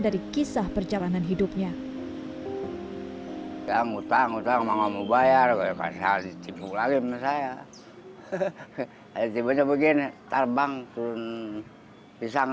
dari kisah perjalanan hidupnya yang utang utang mau bayar saya tiba tiba begini terbang pun pisang